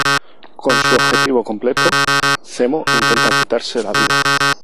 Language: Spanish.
Con su objetivo completo, Zemo intenta quitarse la vida.